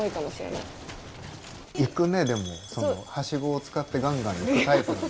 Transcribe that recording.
行くねでもそのハシゴを使ってガンガン行くタイプなんだ。